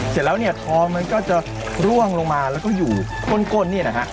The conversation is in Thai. เสร็จแล้วเนี่ยท้องมันก็จะร่วงลงมาแล้วก็อยู่ก้นเนี่ยนะฮะ